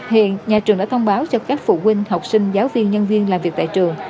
hiện nhà trường đã thông báo cho các phụ huynh học sinh giáo viên nhân viên làm việc tại trường